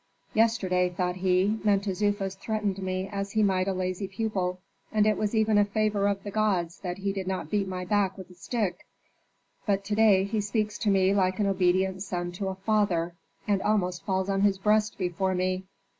"Yesterday," thought he, "Mentezufis threatened me as he might a lazy pupil, and it was even a favor of the gods that he did not beat my back with a stick; but to day he speaks to me like an obedient son to a father, and almost falls on his breast before me.